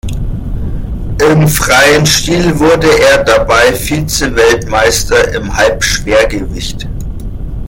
Im freien Stil wurde er dabei Vize-Weltmeister im Halbschwergewicht.